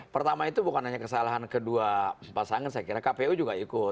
pertama itu bukan hanya kesalahan kedua pasangan saya kira kpu juga ikut